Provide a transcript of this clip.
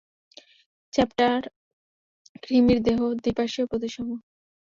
Chapter কৃমির দেহ দ্বিপার্শ্বীয় প্রতিসম।